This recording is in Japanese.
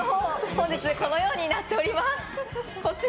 本日、このようになっています。